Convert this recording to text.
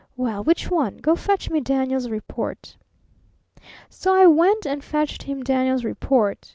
Well, which one? Go fetch me Daniel's report.' So I went and fetched him Daniel's report.